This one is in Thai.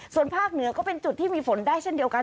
ส่วนภาคเหนือก็เป็นจุดที่มีฝนได้เช่นเดียวกัน